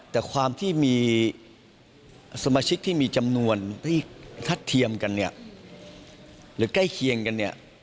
แต่สมาชิกที่มีจำนวนทัดเทียมกันหรือใกล้เคียงกัน